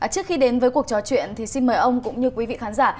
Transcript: trước khi đến với cuộc trò chuyện xin mời ông cũng như quý vị khán giả